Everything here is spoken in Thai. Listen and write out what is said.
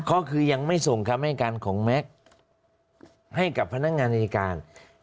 ก็คือยังไม่ส่งคำให้การของแม็กซ์ให้กับพนักงานอายการ